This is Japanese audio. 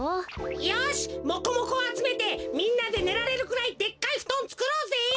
よしモコモコをあつめてみんなでねられるくらいでっかいふとんつくろうぜ！